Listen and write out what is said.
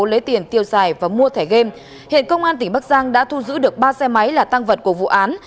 lấy tiền tiêu xài và mua thẻ game hiện công an tỉnh bắc giang đã thu giữ được ba xe máy là tăng vật của vụ án